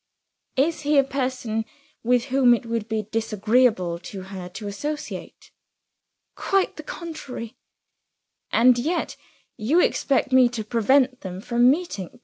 "Is he a person with whom it would be disagreeable to her to associate?" "Quite the contrary." "And yet you expect me to prevent them from meeting!